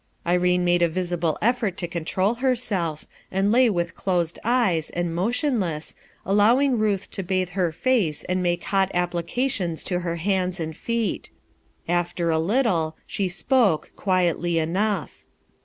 Irene made a visible effort to control herself, and lay with closed eyes, and motionless, allow ing Ruth to bathe her face and make hot ap plications to her hands and feet. After a little, she spoke, quietly enough.